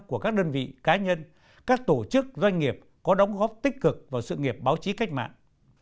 của các đơn vị cá nhân các tổ chức doanh nghiệp có đóng góp tích cực vào sự nghiệp báo chí cách mạng